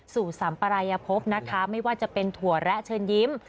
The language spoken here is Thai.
สัมปรายภพนะคะไม่ว่าจะเป็นถั่วแระเชิญยิ้ม